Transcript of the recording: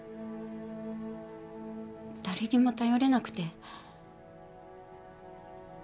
誰にも頼れなくて。